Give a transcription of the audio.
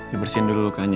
dibersihin dulu lukanya ya